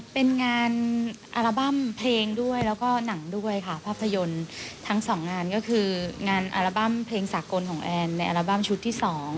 เป็นงานอัลบั้มเพลงด้วยแล้วก็หนังด้วยค่ะภาพยนตร์ทั้งสองงานก็คืองานอัลบั้มเพลงสากลของแอนในอัลบั้มชุดที่๒